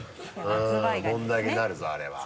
問題になるぞあれは。